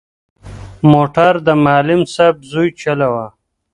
موټر د معلم صاحب زوی چلاوه.